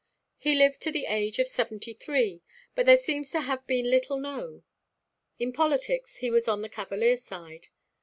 He lived to the age of seventy three, but seems to have been little known. In politics he was on the Cavalier side.